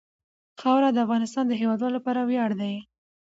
خاوره د افغانستان د هیوادوالو لپاره ویاړ دی.